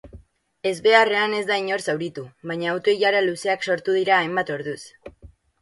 Ezbeharrean ez da inor zauritu, baina auto-ilara luzeak sortu dira hainbat orduz.